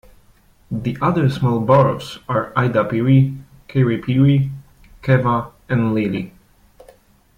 The other small boroughs are Eidapere, Kaerepere, Keava and Lelle.